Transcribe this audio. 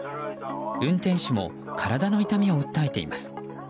運転手も体の痛みを訴えています。